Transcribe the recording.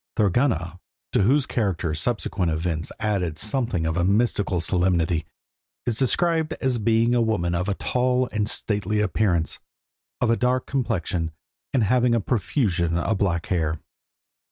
Thorgunna, to whose character subsequent events added something of a mystical solemnity, is described as being a woman of a tall and stately appearance, of a dark complexion, and having a profusion of black hair.